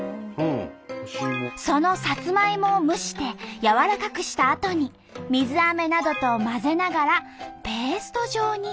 そのサツマイモを蒸して軟らかくしたあとに水あめなどと混ぜながらペースト状に。